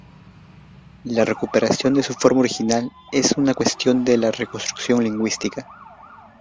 La recuperación de su forma original es una cuestión de la reconstrucción lingüística.